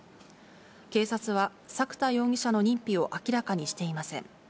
警察は作田容疑者の認否を明らかにしていません。